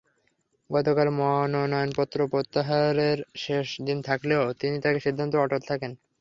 গতকাল মনোনয়নপত্র প্রত্যাহারের শেষ দিন থাকলেও তিনি তাঁর সিদ্ধান্তে অটল থাকেন।